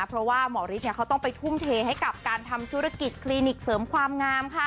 เพราะว่าหมอฤทธิ์เขาต้องไปทุ่มเทให้กับการทำธุรกิจคลินิกเสริมความงามค่ะ